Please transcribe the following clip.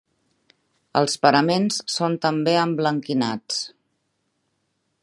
Els paraments són també emblanquinats.